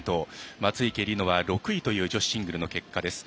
松生理乃は６位という女子シングルの結果です。